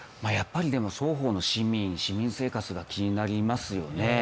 双方の市民生活が気になりますよね。